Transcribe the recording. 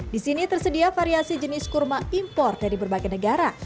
di sini tersedia variasi jenis kurma impor dari berbagai negara